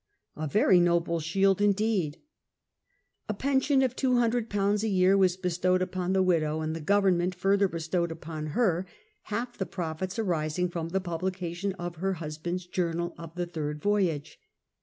A very noble shield indeed ! A pension of two hiuidred pounds a year was bestowed upon the widow, and the Government further bestowed upon her half the profits arising from the publication of her husband's Journal of the Thiixl Voyage.